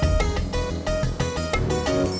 achieving perlahankan keziraman